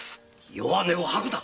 弱音を吐くな！